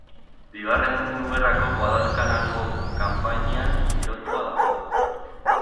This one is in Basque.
Bigarren Mundu Gerrako Guadalcanalgo kanpainan girotua dago.